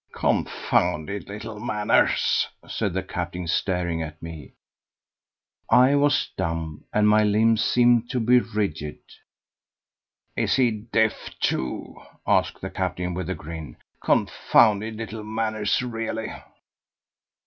"Confounded little manners," said the captain, staring at me. I was dumb and my limbs seemed to be rigid. "Is he deaf too?" asked the captain with a grin. "Confounded little manners, really."